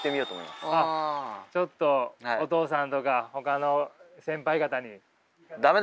ちょっとお父さんとかほかの先輩方に。